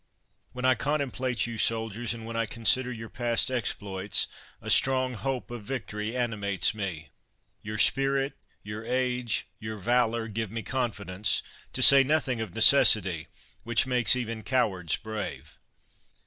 When I contemplate you, soldiers, and when I consider your past exploits, a strong hope of victory animates me. Your spirit, your age, your valor, give me confidence — to say nothing of ne cessity, which makes even cowards brave.